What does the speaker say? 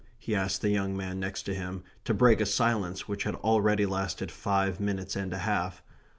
he asked the young man next him, to break a silence which had already lasted five minutes and a half.